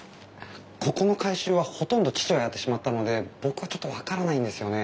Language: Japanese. ここの改修はほとんど父がやってしまったので僕はちょっと分からないんですよね。